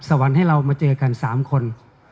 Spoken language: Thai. สวรรค์ให้เรามาเจอกัน๓คน